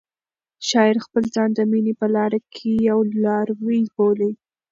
شاعر خپل ځان د مینې په لاره کې یو لاروی بولي.